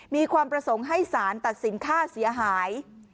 มีความประสงค์ให้สารตัดสินค่าเสียหาย